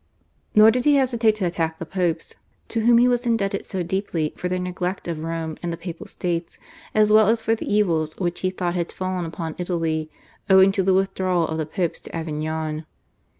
Nor did he hesitate to attack the Popes, to whom he was indebted so deeply, for their neglect of Rome and the Papal States, as well as for the evils which he thought had fallen upon Italy owing to the withdrawal of the Popes to Avignon.